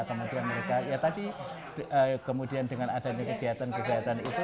kemudian mereka ya tadi kemudian dengan adanya kegiatan kegiatan itu